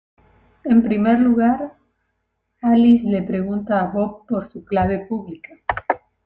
En primer lugar, Alice le pregunta a Bob por su clave pública.